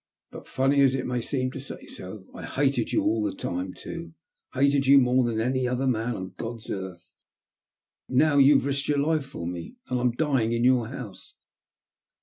But, funny as it may seem to say so, I hated you all the time too — hated you more than any other man on God's earth. Now you've risked your life for me, and I'm dying in your house.